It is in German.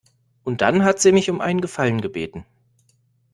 Und dann hat sie mich um einen Gefallen gebeten.